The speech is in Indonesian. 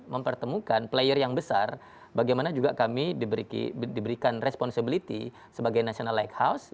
mempertemukan player yang besar bagaimana juga kami diberikan responsibility sebagai national lighthouse